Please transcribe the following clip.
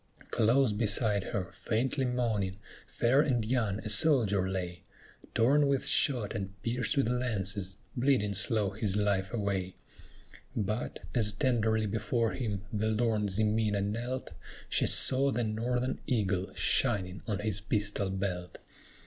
Close beside her, faintly moaning, fair and young, a soldier lay, Torn with shot and pierced with lances, bleeding slow his life away; But, as tenderly before him the lorn Ximena knelt, She saw the Northern eagle shining on his pistol belt.